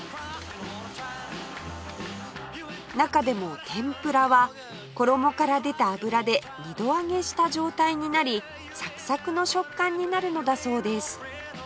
中でも天ぷらは衣から出た油で二度揚げした状態になりサクサクの食感になるのだそうです